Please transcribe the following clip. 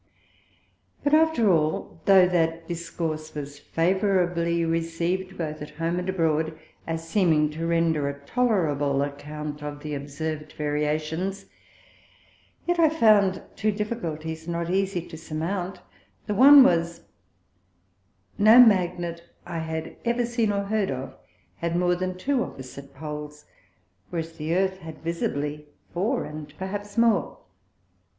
But after all, tho' that Discourse was favourably receiv'd both at home and abroad, as seeming to render a tolerable account of the observ'd Variations, yet I found two Difficulties not easie to surmount; the one was, that no Magnet I had ever seen or heard of, had more than two opposite Poles, whereas the Earth had visibly four, and perhaps more.